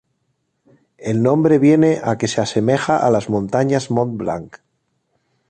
El nombre viene a que se asemeja a las montañas Mont Blanc.